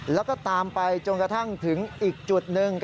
แล้วก็ตามไปจนกระทั่งถึงอีกจุดหนึ่ง